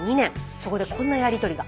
そこでこんなやり取りが。